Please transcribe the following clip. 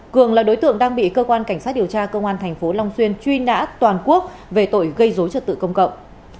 cường là đối tượng đang bị cơ quan cảnh sát điều tra công an tp long xuyên truy nã toàn quốc về tội gây dối trật tự công cộng